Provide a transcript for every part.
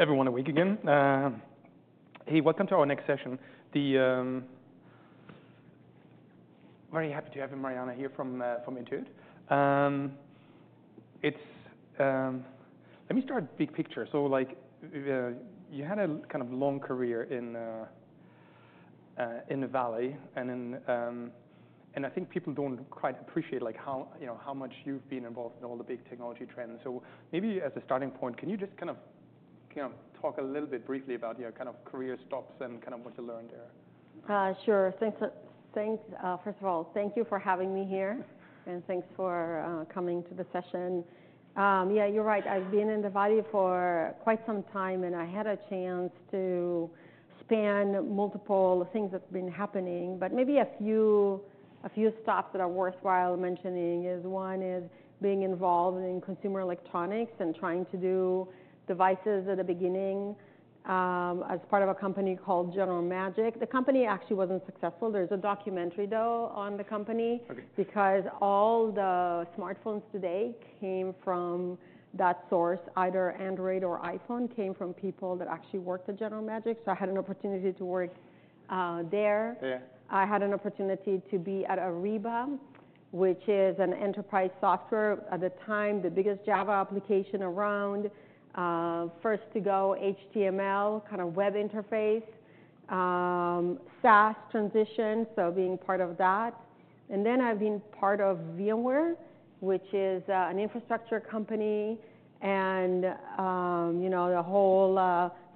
Everyone awake again? Hey, welcome to our next session. Very happy to have you, Marianna, here from Intuit. It's, let me start big picture. So, like, you had a kind of long career in the Valley, and I think people don't quite appreciate, like, how, you know, how much you've been involved in all the big technology trends. So maybe as a starting point, can you just kind of, you know, talk a little bit briefly about your kind of career stops and kind of what you learned there? Sure. Thanks, first of all, thank you for having me here, and thanks for coming to the session. Yeah, you're right. I've been in the Valley for quite some time, and I had a chance to span multiple things that have been happening. But maybe a few stops that are worthwhile mentioning is one is being involved in consumer electronics and trying to do devices at the beginning, as part of a company called General Magic. The company actually wasn't successful. There's a documentary, though, on the company. Okay. Because all the smartphones today came from that source, either Android or iPhone, came from people that actually worked at General Magic. So I had an opportunity to work there. Yeah. I had an opportunity to be at Ariba, which is an enterprise software at the time, the biggest Java application around, first to go HTML, kind of web interface, SaaS transition, so being part of that. And then I've been part of VMware, which is an infrastructure company and, you know, the whole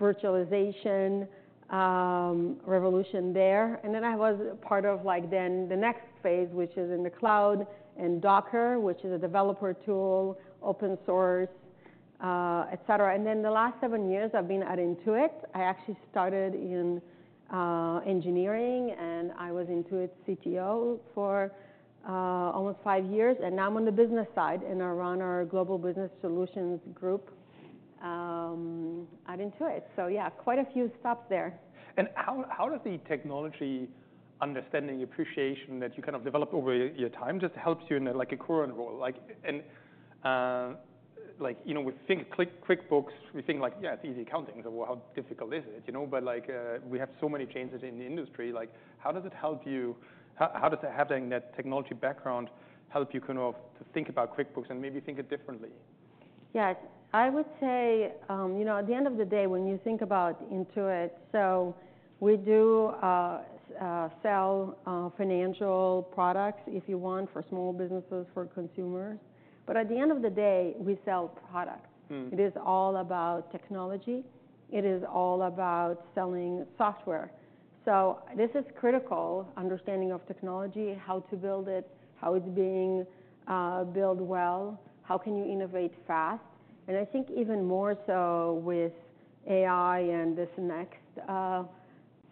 virtualization revolution there. And then I was part of, like, then the next phase, which is in the cloud and Docker, which is a developer tool, open source, etc. And then the last seven years I've been at Intuit. I actually started in engineering, and I was Intuit CTO for almost five years. And now I'm on the business side and run our Global Business Solutions Group at Intuit. So yeah, quite a few stops there. And how does the technology understanding, appreciation that you kind of developed over your time just helps you in, like, a current role? Like, you know, we think QuickBooks, we think, like, yeah, it's easy accounting. So how difficult is it, you know? But, like, we have so many changes in the industry. Like, how does it help you? How does having that technology background help you kind of to think about QuickBooks and maybe think it differently? Yeah. I would say, you know, at the end of the day, when you think about Intuit, so we do sell financial products, if you want, for small businesses, for consumers. But at the end of the day, we sell products. Mm-hmm. It is all about technology. It is all about selling software. So this is critical understanding of technology, how to build it, how it's being built well, how can you innovate fast. And I think even more so with AI and this next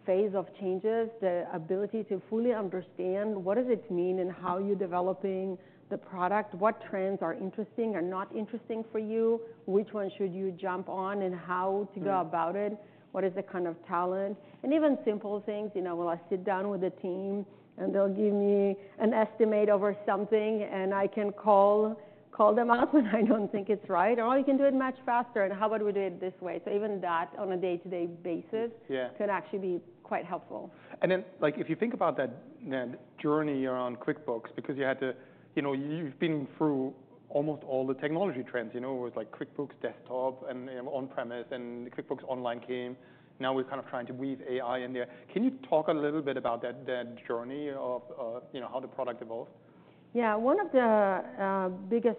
phase of changes, the ability to fully understand what does it mean and how you're developing the product, what trends are interesting and not interesting for you, which one should you jump on and how to go about it, what is the kind of talent. And even simple things, you know, will I sit down with the team and they'll give me an estimate over something, and I can call them out when I don't think it's right, or, "Oh, you can do it much faster," and, "How about we do it this way?" So even that on a day-to-day basis. Yeah. Can actually be quite helpful. And then, like, if you think about that, that journey around QuickBooks, because you had to, you know, you've been through almost all the technology trends, you know, with, like, QuickBooks Desktop and, you know, on-premise and QuickBooks Online came. Now we're kind of trying to weave AI in there. Can you talk a little bit about that, that journey of, you know, how the product evolved? Yeah. One of the biggest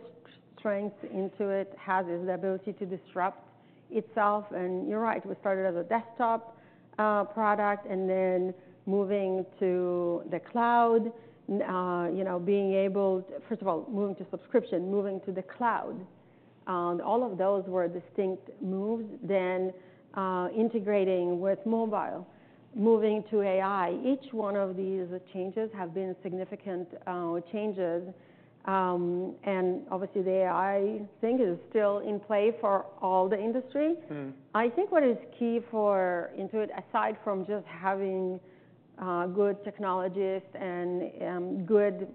strengths Intuit has is the ability to disrupt itself. You're right. We started as a desktop product and then moving to the cloud, you know, being able, first of all, moving to subscription, moving to the cloud. All of those were distinct moves. Integrating with mobile, moving to AI. Each one of these changes have been significant changes. Obviously the AI thing is still in play for all the industry. Mm-hmm. I think what is key for Intuit, aside from just having good technologists and good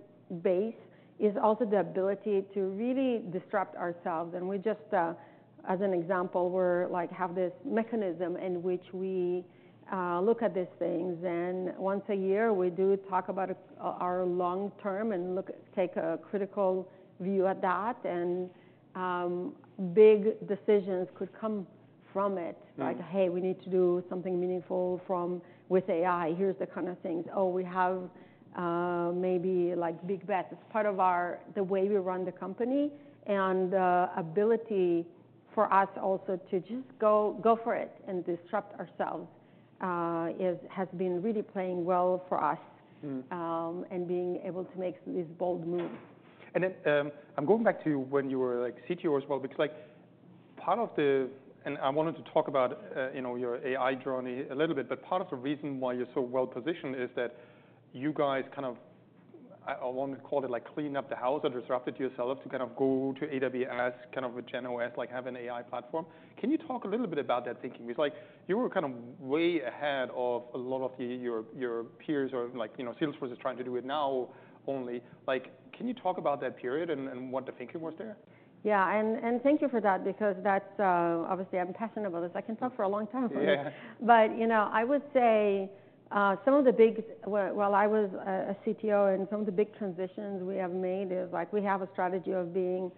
base, is also the ability to really disrupt ourselves. And we just, as an example, like have this mechanism in which we look at these things. And once a year we do talk about our long term and look take a critical view at that. And big decisions could come from it. Mm-hmm. Like, hey, we need to do something meaningful from with AI. Here's the kind of things. Oh, we have, maybe, like, big bets. It's part of our, the way we run the company and the ability for us also to just go, go for it and disrupt ourselves, has been really playing well for us. Mm-hmm. and being able to make these bold moves. Then, I'm going back to when you were, like, CTO as well, because, like, part of the, and I wanted to talk about, you know, your AI journey a little bit, but part of the reason why you're so well positioned is that you guys kind of, I want to call it, like, clean up the house or disrupted yourself to kind of go to AWS, kind of with GenOS, like, have an AI platform. Can you talk a little bit about that thinking? Because, like, you were kind of way ahead of a lot of your peers or, like, you know, Salesforce is trying to do it now only. Like, can you talk about that period and what the thinking was there? Yeah. And, and thank you for that because that's, obviously I'm passionate about this. I can talk for a long time about this. Yeah. But, you know, I would say, some of the big, while I was a CTO and some of the big transitions we have made is, like, we have a strategy of being,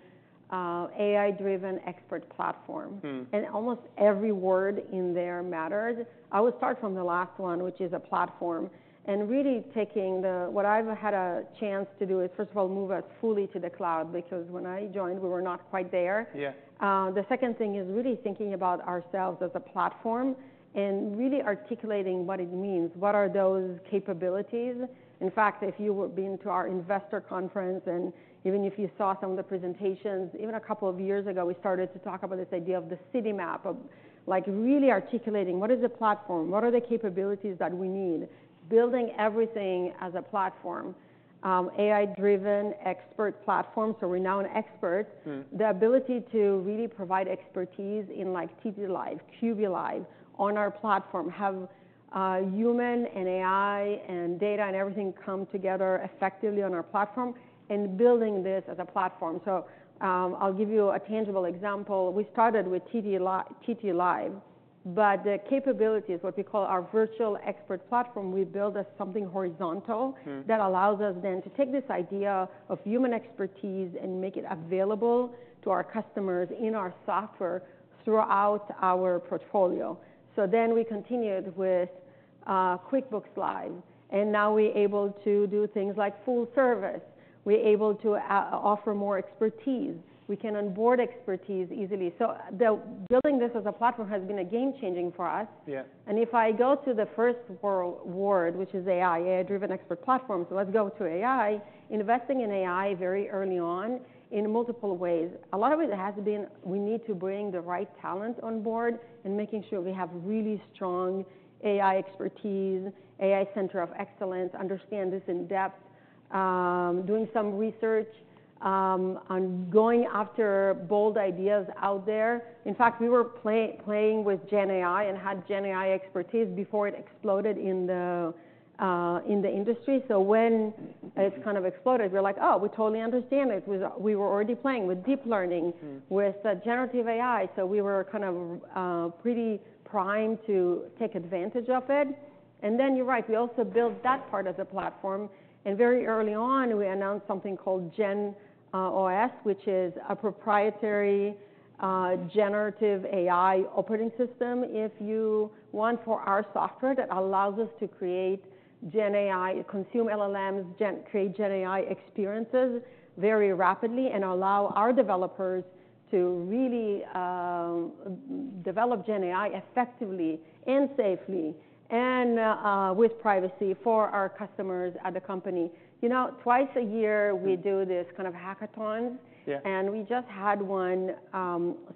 AI-driven expert platform. Mm-hmm. And almost every word in there matters. I will start from the last one, which is a platform, and really taking the, what I've had a chance to do is, first of all, move us fully to the cloud because when I joined, we were not quite there. Yeah. The second thing is really thinking about ourselves as a platform and really articulating what it means. What are those capabilities? In fact, if you had been to our investor conference and even if you saw some of the presentations, even a couple of years ago, we started to talk about this idea of the City Map, of, like, really articulating what is the platform, what are the capabilities that we need, building everything as a platform, AI-driven expert platform, so renowned experts. Mm-hmm. The ability to really provide expertise in, like, TT Live, QB Live on our platform, have human and AI and data and everything come together effectively on our platform and building this as a platform. I'll give you a tangible example. We started with TT Live, but the capabilities, what we call our Virtual Expert Platform, we build as something horizontal. Mm-hmm. That allows us then to take this idea of human expertise and make it available to our customers in our software throughout our portfolio. So then we continued with QuickBooks Live, and now we're able to do things like Full Service. We're able to offer more expertise. We can onboard expertise easily. So the building this as a platform has been game-changing for us. Yeah. And if I go to the first word, which is AI, AI-driven expert platforms. Let's go to AI, investing in AI very early on in multiple ways. A lot of it has been we need to bring the right talent on board and making sure we have really strong AI expertise, AI Center of Excellence, understand this in depth, doing some research, and going after bold ideas out there. In fact, we were playing with Gen AI and had Gen AI expertise before it exploded in the industry. So when it's kind of exploded, we're like, "Oh, we totally understand it." We were already playing with deep learning. Mm-hmm. With generative AI. So we were kind of pretty primed to take advantage of it. And then you're right. We also built that part as a platform. And very early on, we announced something called GenOS, which is a proprietary generative AI operating system, if you want, for our software that allows us to create Gen AI, consume LLMs, generate Gen AI experiences very rapidly and allow our developers to really develop Gen AI effectively and safely and with privacy for our customers at the company. You know, twice a year we do this kind of hackathons. Yeah. We just had one,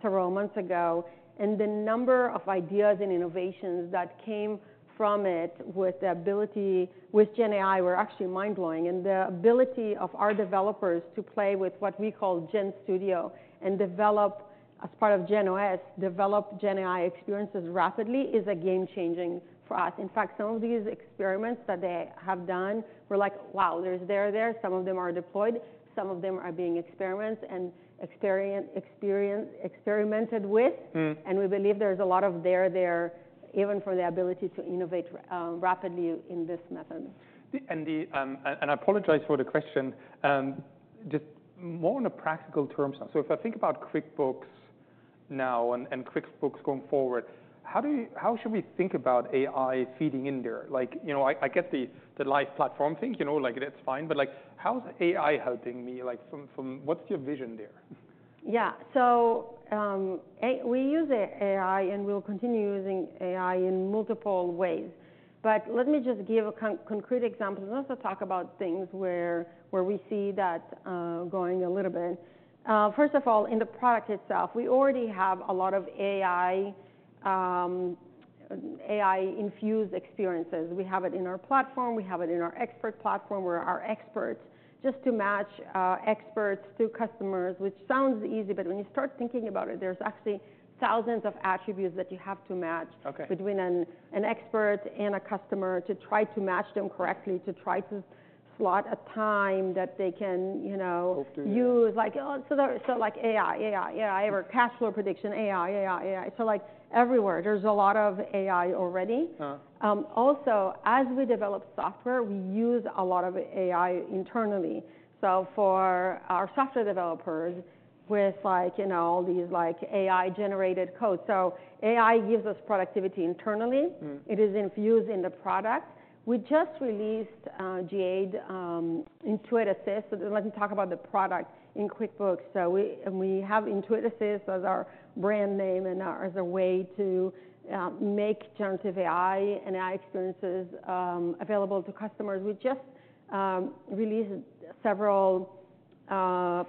several months ago. The number of ideas and innovations that came from it with the ability with Gen AI were actually mind-blowing. The ability of our developers to play with what we call GenStudio and develop, as part of GenOS, develop Gen AI experiences rapidly is game-changing for us. In fact, some of these experiments that they have done were like, "Wow, there's there there." Some of them are deployed. Some of them are being experiments and experience experimented with. Mm-hmm. We believe there's a lot of there there, even from the ability to innovate rapidly in this method. I apologize for the question, just more in a practical terms. So if I think about QuickBooks now and QuickBooks going forward, how should we think about AI feeding in there? Like, you know, I get the live platform thing, you know, like, that's fine, but, like, how's AI helping me? Like, from what's your vision there? Yeah. So, A, we use AI and we'll continue using AI in multiple ways. But let me just give a concrete example and also talk about things where we see that, going a little bit. First of all, in the product itself, we already have a lot of AI, AI-infused experiences. We have it in our platform. We have it in our expert platform where our experts just to match, experts to customers, which sounds easy, but when you start thinking about it, there's actually thousands of attributes that you have to match. Okay. Between an expert and a customer to try to match them correctly, to try to slot a time that they can, you know. Hope to. Like AI or cash flow prediction, so like everywhere, there's a lot of AI already. Uh-huh. Also, as we develop software, we use a lot of AI internally. So for our software developers with, like, you know, all these, like, AI-generated codes. So AI gives us productivity internally. Mm-hmm. It is infused in the product. We just released today, Intuit Assist. Let me talk about the product in QuickBooks. So we have Intuit Assist as our brand name and as a way to make generative AI and AI experiences available to customers. We just released several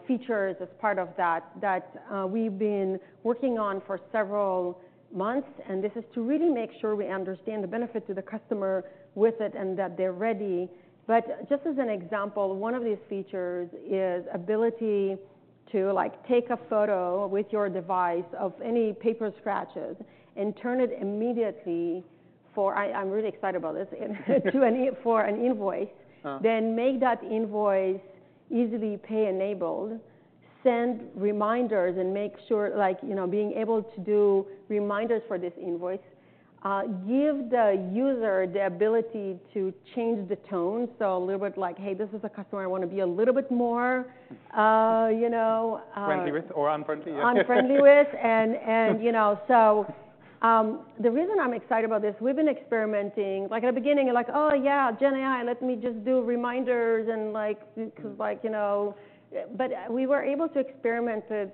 features as part of that we've been working on for several months, and this is to really make sure we understand the benefit to the customer with it and that they're ready. But just as an example, one of these features is ability to, like, take a photo with your device of any paper receipts and turn it immediately. I'm really excited about this, to an invoice. Uh-huh. Then make that invoice easily pay-enabled, send reminders and make sure, like, you know, being able to do reminders for this invoice, give the user the ability to change the tone. So a little bit like, "Hey, this is a customer. I want to be a little bit more, you know, Friendly with or unfriendly. Unfriendly with and, you know. Mm-hmm. The reason I'm excited about this, we've been experimenting, like, at the beginning, like, "Oh, yeah, Gen AI, let me just do reminders and, like, 'cause, like, you know." But we were able to experiment with,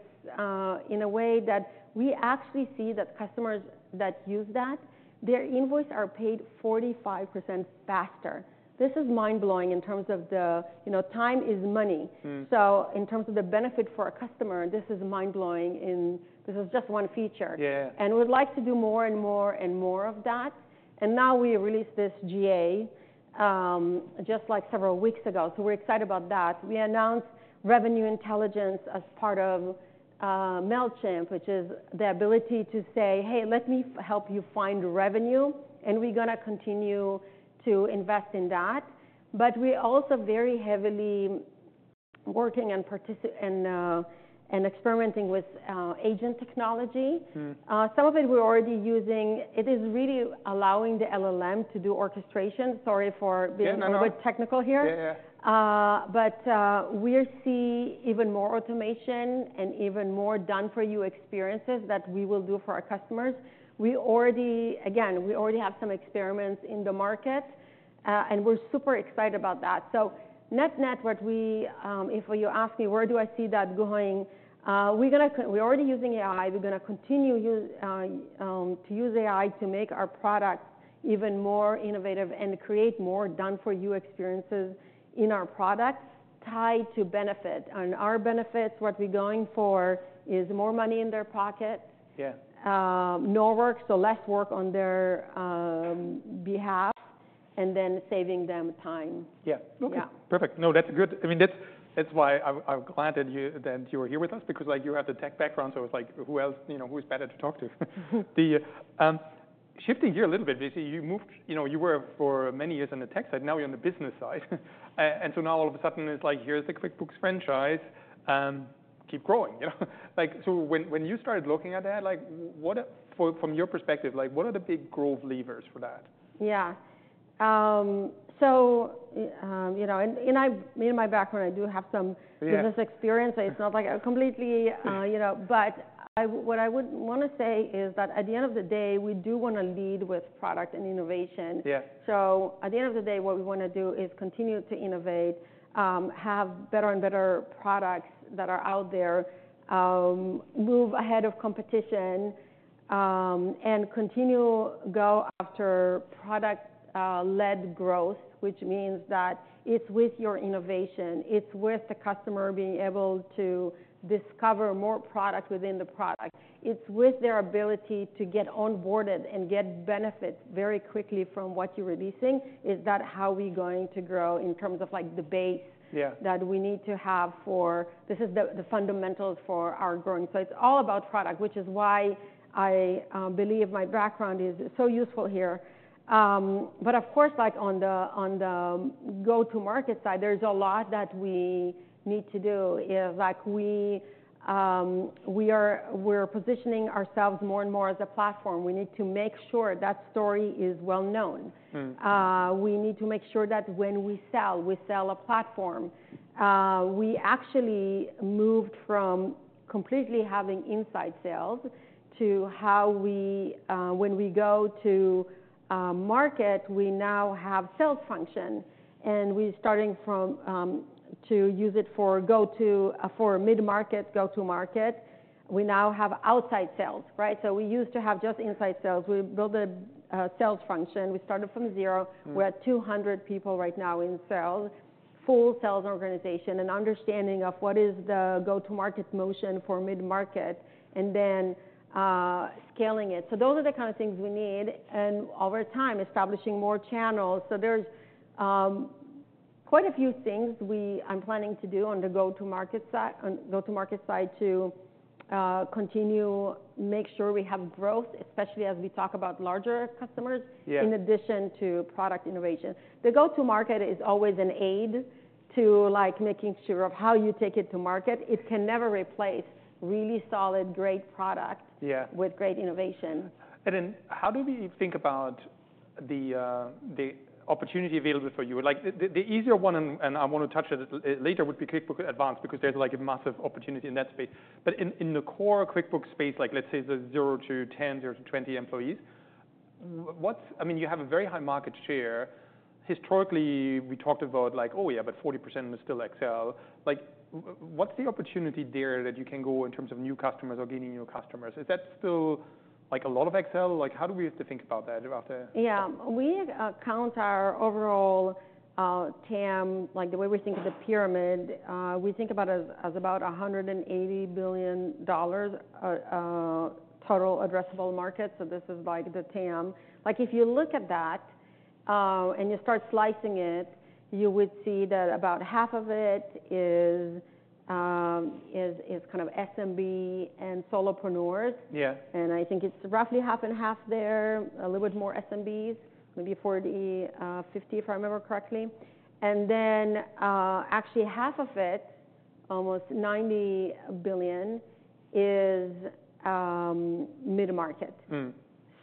in a way that we actually see that customers that use that, their invoice are paid 45% faster. This is mind-blowing in terms of the, you know, time is money. Mm-hmm. In terms of the benefit for a customer, this is mind-blowing. This is just one feature. Yeah. We'd like to do more and more and more of that. Now we released this GA just, like, several weeks ago. We're excited about that. We announced Revenue Intelligence as part of Mailchimp, which is the ability to say, "Hey, let me help you find revenue." We're gonna continue to invest in that. We're also very heavily working and participating and experimenting with agent technology. Mm-hmm. Some of it we're already using. It is really allowing the LLM to do orchestration. Sorry for being a little bit technical here. Yeah, no, no. But, we're seeing even more automation and even more done-for-you experiences that we will do for our customers. We already, again, we already have some experiments in the market, and we're super excited about that. So net-net what we, if you ask me, where do I see that going, we're gonna, we're already using AI. We're gonna continue use, to use AI to make our products even more innovative and create more done-for-you experiences in our products tied to benefit, and our benefits, what we're going for is more money in their pocket. Yeah. no work, so less work on their behalf and then saving them time. Yeah. Yeah. Okay. Perfect. No, that's good. I mean, that's why I'm glad that you were here with us because, like, you have the tech background. So it's like, who else, you know, who's better to talk to? Then, shifting gear a little bit, [Vicy], you moved, you know, you were for many years on the tech side. Now you're on the business side. And so now all of a sudden it's like, here's the QuickBooks franchise, keep growing, you know? Like, so when you started looking at that, like, what, from your perspective, like, what are the big growth levers for that? Yeah. So, you know, and I, me and my background, I do have some. Yeah. Business experience. It's not like a completely, you know, but I would, what I would wanna say is that at the end of the day, we do wanna lead with product and innovation. Yeah. At the end of the day, what we wanna do is continue to innovate, have better and better products that are out there, move ahead of competition, and continue to go after product-led growth, which means that it's with your innovation. It's with the customer being able to discover more product within the product. It's with their ability to get onboarded and get benefits very quickly from what you're releasing. Is that how we're going to grow in terms of, like, the base? Yeah. That we need to have. This is the fundamentals for our growing, so it's all about product, which is why I believe my background is so useful here, but of course, like, on the go-to-market side, there's a lot that we need to do. If, like, we're positioning ourselves more and more as a platform. We need to make sure that story is well-known. Mm-hmm. We need to make sure that when we sell, we sell a platform. We actually moved from completely having inside sales to how we, when we go-to-market, we now have sales function, and we're starting to use it for go-to-market for mid-market. We now have outside sales, right, so we used to have just inside sales. We built a sales function. We started from zero. Mm-hmm. We're at 200 people right now in sales, full sales organization, and understanding of what is the go-to-market motion for mid-market and then scaling it. So those are the kind of things we need, and over time, establishing more channels. So there's quite a few things that I'm planning to do on the go-to-market side to continue to make sure we have growth, especially as we talk about larger customers. Yeah. In addition to product innovation, the go-to-market is always an aid to, like, making sure of how you take it to market. It can never replace really solid, great product. Yeah. With great innovation. And then how do we think about the opportunity available for you? Like, the easier one, and I wanna touch it a little later would be QuickBooks Advanced because there's like a massive opportunity in that space. But in the core QuickBooks space, like, let's say the 0-10, 0-20 employees, what's, I mean, you have a very high market share. Historically, we talked about like, "Oh, yeah, but 40% is still Excel." Like, what's the opportunity there that you can go in terms of new customers or gaining new customers? Is that still like a lot of Excel? Like, how do we have to think about that after? Yeah. We count our overall TAM like the way we think of the pyramid. We think about it as about $180 billion total addressable market. So this is like the TAM. Like, if you look at that, and you start slicing it, you would see that about half of it is kind of SMB and solopreneurs. Yeah. I think it's roughly half and half there, a little bit more SMBs, maybe 40-50, if I remember correctly. Actually half of it, almost $90 billion, is mid-market.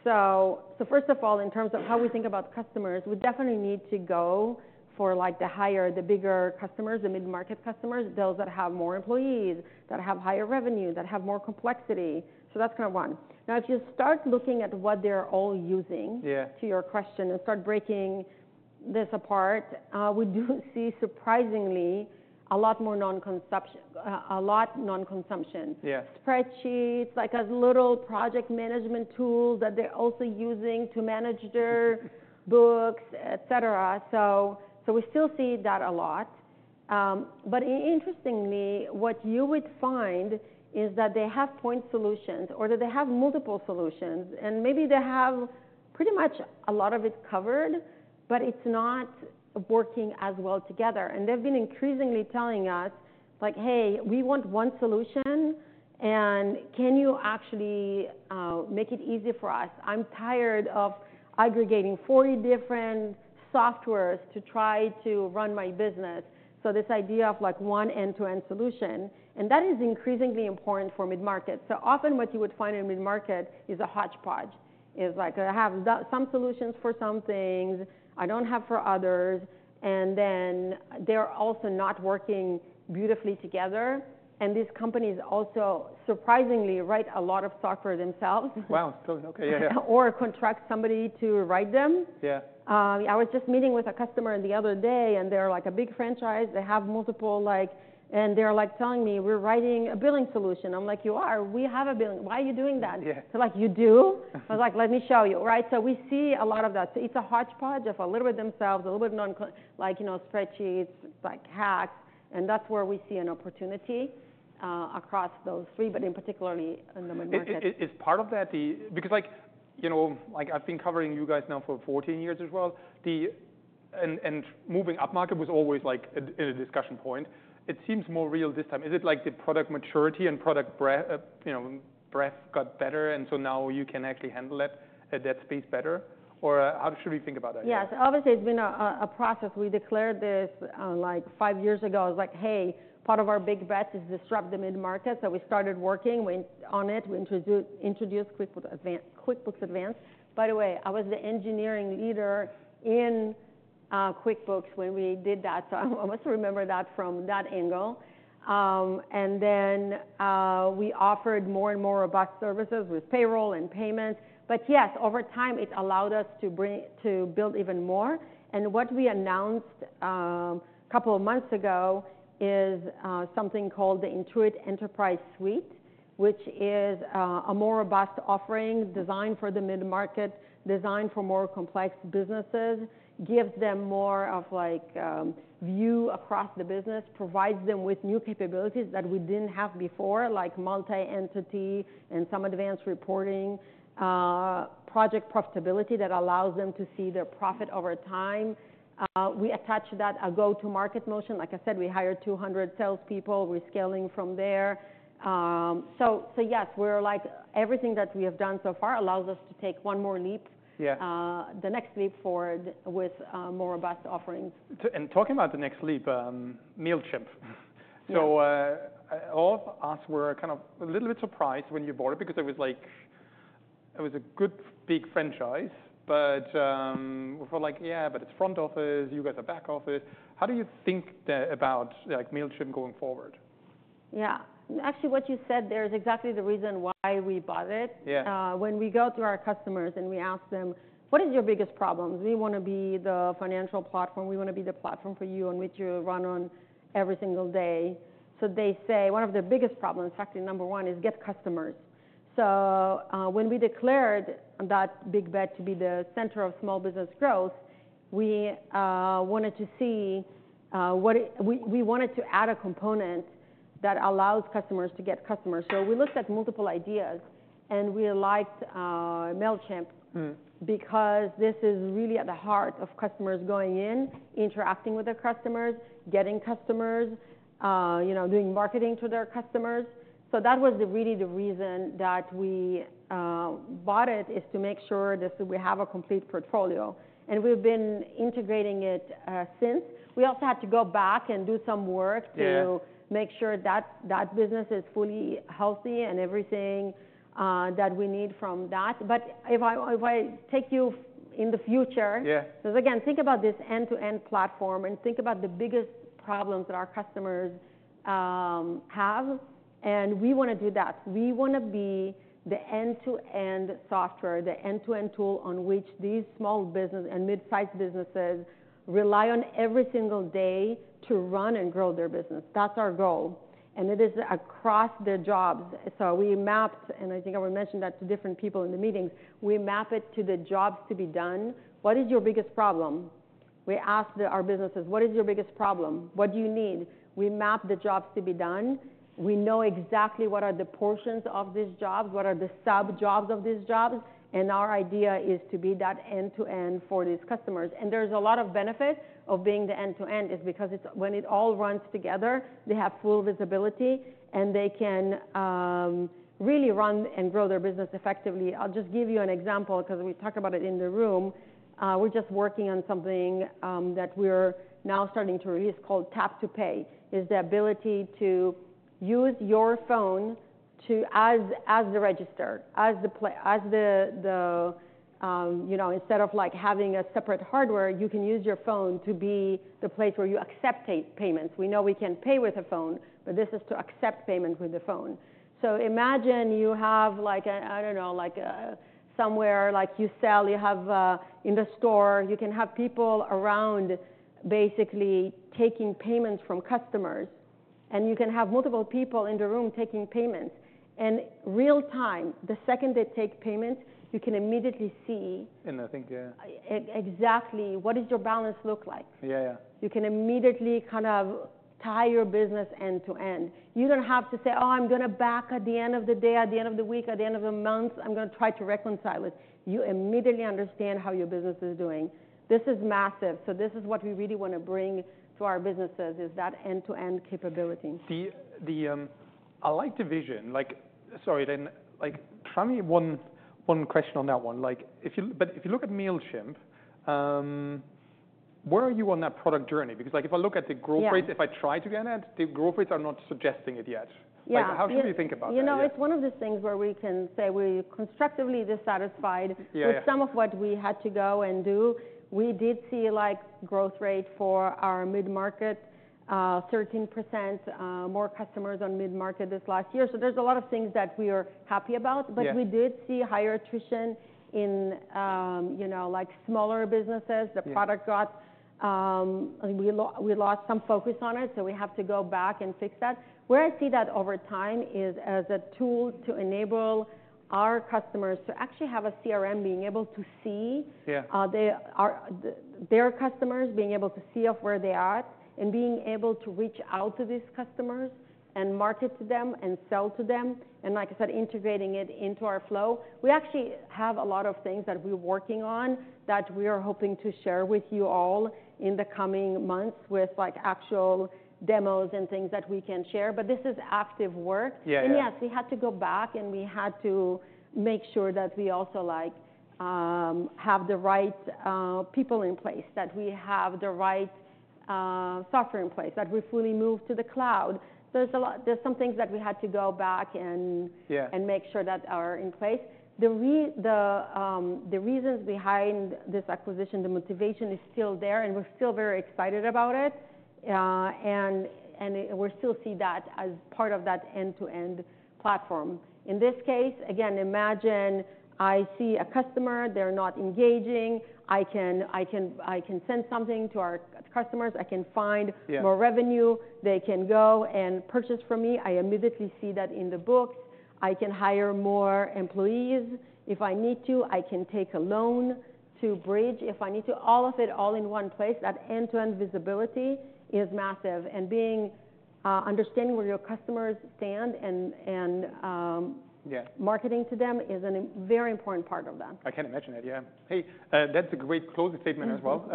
So first of all, in terms of how we think about customers, we definitely need to go for like the higher, the bigger customers, the mid-market customers, those that have more employees, that have higher revenue, that have more complexity. So that's kind of one. Now, if you start looking at what they're all using. Yeah. To your question and start breaking this apart, we do see surprisingly a lot more nonconsumption, a lot nonconsumption. Yeah. Spreadsheets, like as little project management tools that they're also using to manage their books, et cetera. So we still see that a lot. But interestingly, what you would find is that they have point solutions or that they have multiple solutions, and maybe they have pretty much a lot of it covered, but it's not working as well together, and they've been increasingly telling us, like, "Hey, we want one solution, and can you actually make it easy for us? I'm tired of aggregating 40 different software to try to run my business." So this idea of like one end-to-end solution, and that is increasingly important for mid-market, so often what you would find in mid-market is a hodgepodge. It's like, I have some solutions for some things, I don't have for others, and then they're also not working beautifully together. And these companies also surprisingly write a lot of software themselves. Wow. Okay. Yeah, yeah. Or contract somebody to write them. Yeah. I was just meeting with a customer the other day, and they're like a big franchise. They have multiple, like, and they're like telling me, "We're writing a billing solution." I'm like, "You are? We have a billing. Why are you doing that? Yeah. They're like, "You do?" I was like, "Let me show you." Right? So we see a lot of that. So it's a hodgepodge of a little bit themselves, a little bit non-like, you know, spreadsheets, like hacks. And that's where we see an opportunity, across those three, but particularly in the mid-market. Is part of that, because like, you know, like I've been covering you guys now for 14 years as well, and moving up market was always like a discussion point. It seems more real this time. Is it like the product maturity and product breadth, you know, breadth got better, and so now you can actually handle that space better? Or how should we think about that? Yes. Obviously, it's been a process. We declared this like five years ago. I was like, "Hey, part of our big bet is to disrupt the mid-market." So we started working on it. We introduced QuickBooks Advanced. By the way, I was the engineering leader in QuickBooks when we did that. So I must remember that from that angle. And then, we offered more and more robust services with payroll and payments. But yes, over time, it allowed us to bring, to build even more. And what we announced a couple of months ago is something called the Intuit Enterprise Suite, which is a more robust offering designed for the mid-market, designed for more complex businesses. It gives them more of like a view across the business, provides them with new capabilities that we didn't have before, like multi-entity and some advanced reporting, project profitability that allows them to see their profit over time. We attach that a go-to-market motion. Like I said, we hired 200 salespeople. We're scaling from there. So yes, we're like everything that we have done so far allows us to take one more leap. Yeah. the next leap forward with more robust offerings. Talking about the next leap, Mailchimp. Yeah. So, all of us were kind of a little bit surprised when you bought it because it was like, it was a good big franchise, but, we felt like, "Yeah, but it's front office. You guys are back office." How do you think that about, like, Mailchimp going forward? Yeah. Actually, what you said there is exactly the reason why we bought it. Yeah. When we go to our customers and we ask them, "What is your biggest problem?" We wanna be the financial platform. We wanna be the platform for you on which you run on every single day. So they say one of their biggest problems, factor number one, is get customers. So, when we declared that big bet to be the center of small business growth, we wanted to add a component that allows customers to get customers. So we looked at multiple ideas, and we liked Mailchimp. Because this is really at the heart of customers going in, interacting with their customers, getting customers, you know, doing marketing to their customers. So that was really the reason that we bought it is to make sure that we have a complete portfolio. And we've been integrating it since. We also had to go back and do some work to. Yeah. Make sure that that business is fully healthy and everything, that we need from that. But if I, if I take you in the future. Yeah. Because, again, think about this end-to-end platform and think about the biggest problems that our customers have. And we wanna do that. We wanna be the end-to-end software, the end-to-end tool on which these small business and mid-size businesses rely on every single day to run and grow their business. That's our goal. And it is across their jobs. So we mapped, and I think I will mention that to different people in the meetings. We map it to the Jobs to be Done. What is your biggest problem? We asked our businesses, "What is your biggest problem? What do you need?" We map the Jobs to be Done. We know exactly what are the portions of these jobs, what are the sub-jobs of these jobs. And our idea is to be that end-to-end for these customers. And there's a lot of benefit of being the end-to-end is because it's when it all runs together, they have full visibility and they can really run and grow their business effectively. I'll just give you an example 'cause we talk about it in the room. We're just working on something that we're now starting to release called Tap to Pay. It's the ability to use your phone to as the register, as the POS, you know, instead of like having a separate hardware. You can use your phone to be the place where you accept payments. We know we can pay with a phone, but this is to accept payments with the phone. Imagine you have, like, a store where you sell. In the store, you can have people around basically taking payments from customers, and you can have multiple people in the room taking payments. And in real time, the second they take payment, you can immediately see. And I think, yeah. Exactly what does your balance look like? Yeah, yeah. You can immediately kind of tie your business end-to-end. You don't have to say, "Oh, I'm gonna back at the end of the day, at the end of the week, at the end of the month, I'm gonna try to reconcile it." You immediately understand how your business is doing. This is massive. So this is what we really wanna bring to our businesses is that end-to-end capability. The I like the vision. Like, sorry, then like tell me one question on that one. Like if you, but if you look at Mailchimp, where are you on that product journey? Because like if I look at the growth rate, if I try to get it, the growth rates are not suggesting it yet. Yeah. How should we think about that? You know, it's one of those things where we can say we're constructively dissatisfied. Yeah. With some of what we had to go and do. We did see like growth rate for our mid-market, 13%, more customers on mid-market this last year. So there's a lot of things that we are happy about. Yeah. But we did see higher attrition in, you know, like smaller businesses. Yeah. The product, we lost some focus on it. So we have to go back and fix that. Where I see that over time is as a tool to enable our customers to actually have a CRM being able to see. Yeah. Their customers being able to see where they are and being able to reach out to these customers and market to them and sell to them, and, like I said, integrating it into our flow. We actually have a lot of things that we are working on that we are hoping to share with you all in the coming months with like actual demos and things that we can share, but this is active work. Yeah. And yes, we had to go back and we had to make sure that we also like have the right people in place, that we have the right software in place, that we fully moved to the cloud. There's a lot. There's some things that we had to go back and. Yeah. And make sure that are in place. The reasons behind this acquisition, the motivation is still there, and we're still very excited about it, and we're still see that as part of that end-to-end platform. In this case, again, imagine I see a customer, they're not engaging. I can send something to our customers. I can find. Yeah. More revenue. They can go and purchase from me. I immediately see that in the books. I can hire more employees if I need to. I can take a loan to bridge if I need to. All of it in one place. That end-to-end visibility is massive, and being, understanding where your customers stand and. Yeah. Marketing to them is a very important part of that. I can imagine it. Yeah. Hey, that's a great closing statement as well.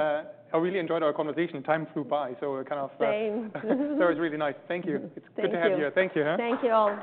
I really enjoyed our conversation. Time flew by. So kind of. Same. That was really nice. Thank you. Thank you. It's good to have you here. Thank you. Thank you all.